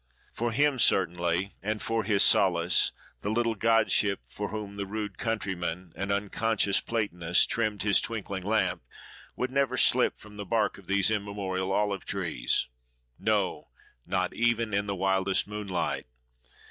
For him certainly, and for his solace, the little godship for whom the rude countryman, an unconscious Platonist, trimmed his twinkling lamp, would never slip from the bark of these immemorial olive trees.—No! not even in the wildest moonlight.